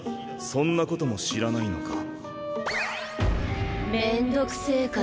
そんなことも知らないのか。